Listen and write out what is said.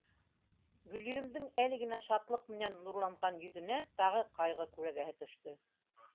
Гөлйөҙөмдөң әле генә шатлыҡ менән нурланған йөҙөнә тағы ҡайғы күләгәһе төштө: